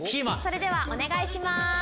それではお願いします。